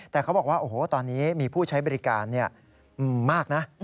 แต่เขาบอกว่าโอ้โหตอนนี้มีผู้ใช้บริการมากนะ